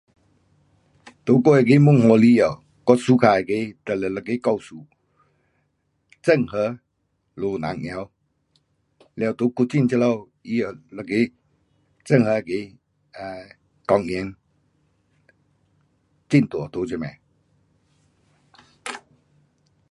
在我那个 um um 里，我 suka 那个，就有一个故事，郑和下南洋，了在古晋这里，他有一个郑和那个，啊，公园，很大在这边。